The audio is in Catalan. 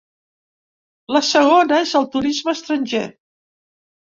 La segona és el turisme estranger.